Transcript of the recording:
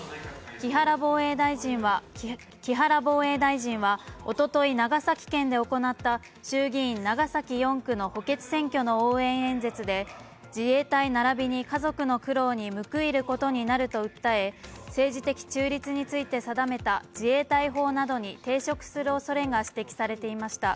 木原防衛大臣は、おととい、長崎県で行った衆議院・長崎４区の補欠選挙の応援演説で、自衛隊ならびに家族の苦労に報いることになると訴え、政治的中立について定めた自衛隊法などに抵触するおそれが指摘されていました。